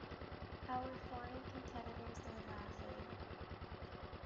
Our foreign competitors are laughing.